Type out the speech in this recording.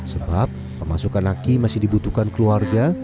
sebab pemasukan aki masih dibutuhkan keluarga